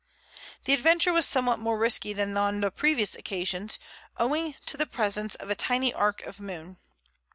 The adventure was somewhat more risky than on the previous occasion, owning to the presence of a tiny arc of moon.